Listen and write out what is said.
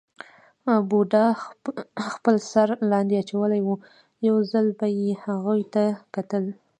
بوډا خپل سر لاندې اچولی وو، یو ځل به یې هغوی ته کتل.